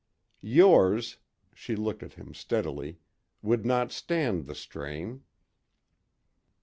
Yours" she looked at him steadily "would not stand the strain."